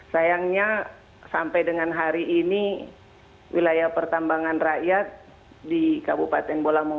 sayangnya sampai dengan hari ini wilayah pertambangan rakyat di kabupaten bolamong